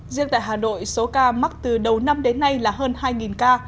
riêng tại hà nội số ca mắc từ đầu năm đến nay là hơn hai ca